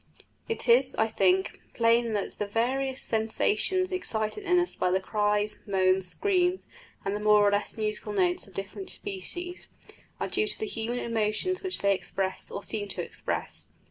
It is, I think, plain that the various sensations excited in us by the cries, moans, screams, and the more or less musical notes of different species, are due to the human emotions which they express or seem to express.